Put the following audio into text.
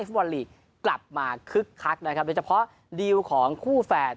ผู้บรรษหลีกกลับมาคลึกคักนะครับโดยเฉพาะของคู่แฝด